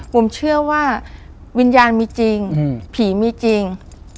ผมเชื่อว่าวิญญาณมีจริงผีมีจริง